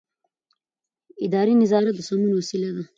اداري نظارت د سمون وسیله ده.